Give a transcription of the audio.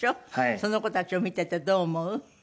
その子たちを見ててどう思う？